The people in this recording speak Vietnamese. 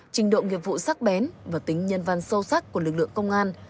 trình độ nghiệp vụ sắc bén và tính nhân văn sâu sắc của lực lượng công an